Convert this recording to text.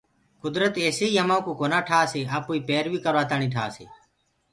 ڪدرت ايسي همآنٚ ڪوُ ڪونآ ٺآسيِ آپوئيٚ پيرويٚ ڪروآ تآڻيٚ ٺآسي